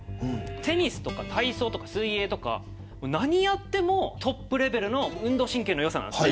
テニスとか体操とか水泳とか何やってもトップレベルの運動神経のよさなんです。